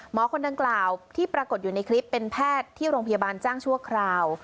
คนดังกล่าวที่ปรากฏอยู่ในคลิปเป็นแพทย์ที่โรงพยาบาลจ้างชั่วคราว